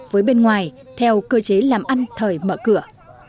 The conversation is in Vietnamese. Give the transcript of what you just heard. với bên ngoài theo cơ chế làm ăn thời mở cửa